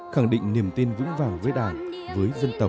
khẳng định niềm tin vững vàng với đảng với dân tộc